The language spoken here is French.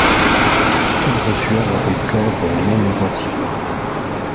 Quinze ossuaires abritent corps dont non-identifiés.